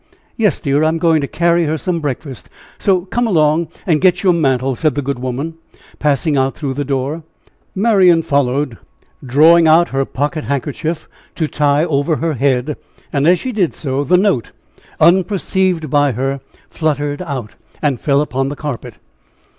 "Yes, dear, I am going to carry her some breakfast. So, come along, and get your mantle," said the good woman, passing out through the door. Marian followed, drawing out her pocket handkerchief to tie over her head; and as she did so, the note, unperceived by her, fluttered out, and fell upon the carpet.